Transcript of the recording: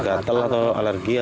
gatel atau alergi